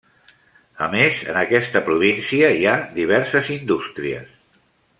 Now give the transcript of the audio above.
A més, en aquesta província hi ha diverses indústries.